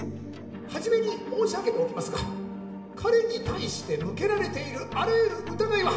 初めに申し上げておきますが彼に対して向けられているあらゆる疑いは。